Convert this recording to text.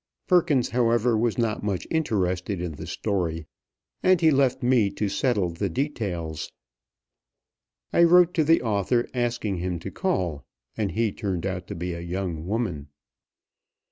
Perkins, however, was not much interested in the story, and he left me to settle the details. I wrote to the author asking him to call, and he turned out to be a young woman.